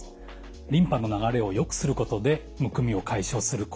リンパの流れをよくすることでむくみを解消する効果があります。